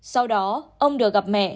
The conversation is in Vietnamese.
sau đó ông được gặp mẹ